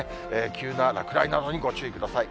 急な落雷などにご注意ください。